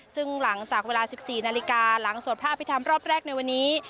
ซึ่งหลังจากเวลา๑๔นาฬิกาหลังสวดพระอภิษฐรรมรอบแรกในวันนี้